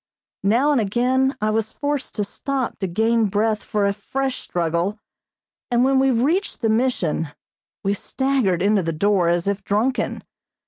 Now and again I was forced to stop to gain breath for a fresh struggle, and when we reached the Mission we staggered into the door as if drunken.